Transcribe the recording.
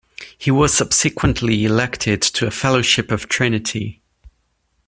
He was subsequently elected to a Fellowship of Trinity.